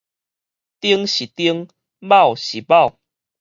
釘是釘，鉚是鉚